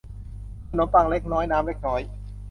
ขนมปังเล็กน้อยน้ำเล็กน้อย